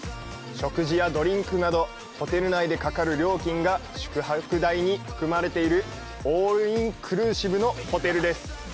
食事やドリンクなどホテル内でかかる料金が宿泊代に含まれているオールインクルーシブのホテルです。